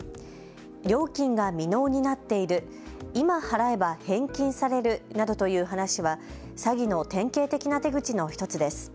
料金が未納になっている、今払えば返金されるなどという話は詐欺の典型的な手口の１つです。